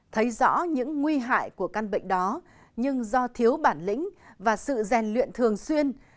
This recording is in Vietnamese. thấy rõ những nguy hại của căn bệnh đó nhưng do thiếu bản lĩnh và sự rèn luyện thường xuyên